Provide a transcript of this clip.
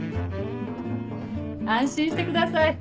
安心してください。